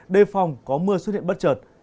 đề phòng có mưa xuất hiện bất chợt